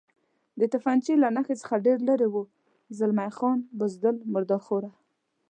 د تفنګچې له نښې څخه ډېر لرې و، زلمی خان: بزدل، مرادرخواره.